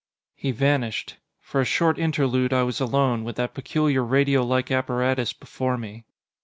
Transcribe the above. He vanished. For a short interlude I was alone, with that peculiar radio like apparatus before me.